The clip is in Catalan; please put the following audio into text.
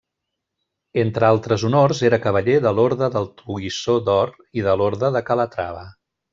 Entre altres honors era cavaller de l'Orde del Toisó d'Or i de l'Orde de Calatrava.